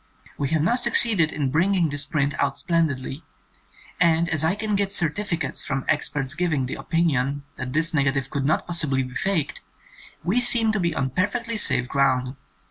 We have now succeeded in bringing this print out splendidly, and as I can get certificates from experts giving the opinion that this negative could not possibly be 'faked' we seem to be on perfectly safe ground.